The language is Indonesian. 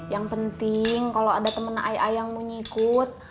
yang penting kalau ada temen ai ai yang mau sikut